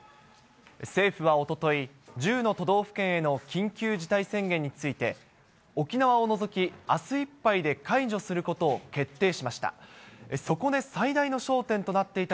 政府はおととい、１０の都道府県への緊急事態宣言について、沖縄を除き、あすいっぱいで解除することを決定しました。